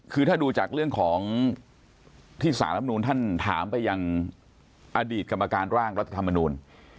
คือถ้าดูจากเรื่องของที่สารรับนูนท่านถามไปยังอดีตกรรมการร่างรัฐธรรมนูล